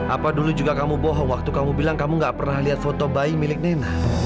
apa dulu juga kamu bohong waktu kamu bilang kamu gak pernah lihat foto bayi milik nena